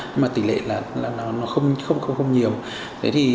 nhưng mà tỷ lệ là không nhiều